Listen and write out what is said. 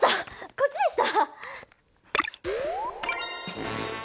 こっちでした。